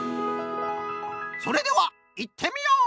それではいってみよう！